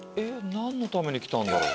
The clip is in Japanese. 何のために来たんだろう。